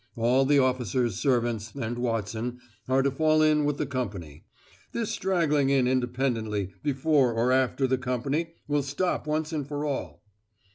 All the officers' servants, and Watson, are to fall in with the company; this straggling in independently, before or after the company, will stop once and for all."